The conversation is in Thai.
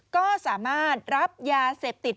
ก็สามารถรับยาเสพติด